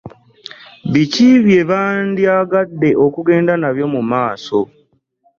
Biki bye bandyagadde okugenda nabyo mu maaso?